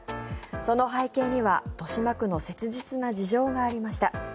その背景には豊島区の切実な事情がありました。